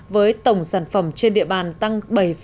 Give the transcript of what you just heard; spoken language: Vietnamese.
với tổng sản phẩm trên địa bàn tăng bảy sáu mươi bốn